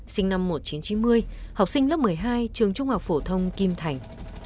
sinh năm một nghìn chín trăm chín mươi học sinh lớp một mươi hai trường trung học phổ thông kim thành